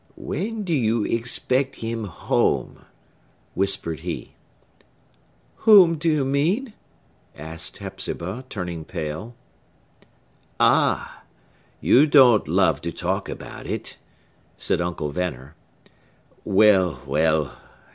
"When do you expect him home?" whispered he. "Whom do you mean?" asked Hepzibah, turning pale. "Ah!—You don't love to talk about it," said Uncle Venner. "Well, well!